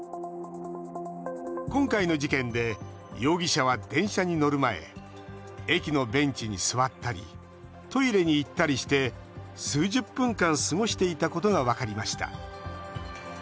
今回の事件で容疑者は電車に乗る前駅のベンチに座ったりトイレに行ったりして数十分間、過ごしていたことが分かりました。